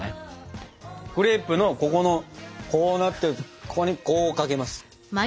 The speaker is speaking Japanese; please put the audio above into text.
クレープのここのこうなってるここにこうかけます。